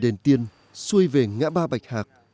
đền tiên xuôi về ngã ba bạch hạc